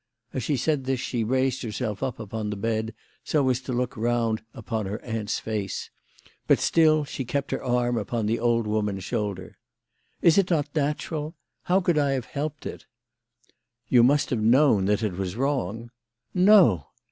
As she said this she raised herself upon the bed, so as to look round upon her aunt's face ; but still she kept her arm upon the old woman's shoulder. " Is it not natural ? How could I have helped it ?"" You must have known that it was wrong." "No!"